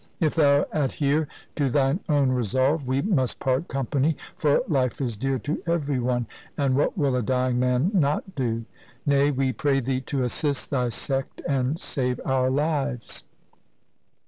If thou adhere to thine own resolve, we must part company, for life is dear to every one, and what will a dying man not do ? Nay, we pray thee to assist thy sect and save our lives.'